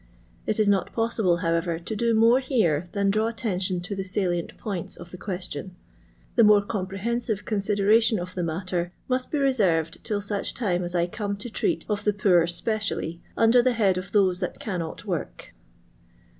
It is not possible, however, to do more here than draw attention to the salient points of the question. The more comprehensive consideration of the matter must be reserved till such time as I come to treat of the poor specially under the head of those that cannot work.